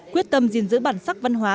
quyết tâm giữ bản sắc văn hóa